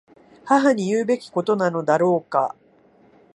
母に言うべきことなのだろうか。